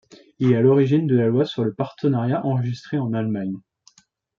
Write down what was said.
Il est à l'origine de la loi sur le partenariat enregistré en Allemagne.